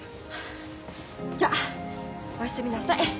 じゃお休みなさい。